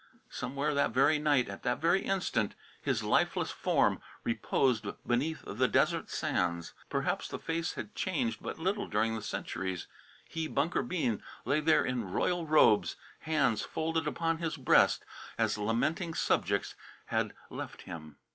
Somewhere that very night, at that very instant, his lifeless form reposed beneath the desert sands. Perhaps the face had changed but little during the centuries. He, Bunker Bean, lay there in royal robes, hands folded upon his breast, as lamenting subjects had left him.